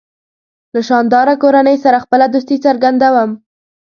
له شانداره کورنۍ سره خپله دوستي څرګندوم.